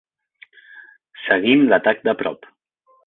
Seguim l'atac de prop.